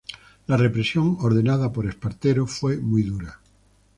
La represión ordenada por Espartero fue muy dura.